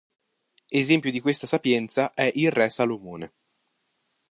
Esempio di questa sapienza è il Re Salomone.